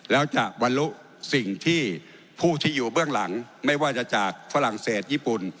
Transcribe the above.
แล้วจะบรรลุสิ่งที่ผู้ที่อยู่เบื้องหลังไม่ว่าจะจากฝรั่งเศสญี่ปุ่น